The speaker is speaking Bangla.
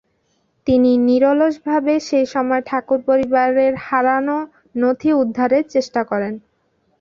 তিনি নিরলসভাবে সেই সময় ঠাকুর পরিবারের হারানো নথি উদ্ধারের চেষ্টা করেন।